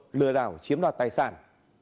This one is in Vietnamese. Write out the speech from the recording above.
phạm tội lừa đảo chiếm đoạt tài sản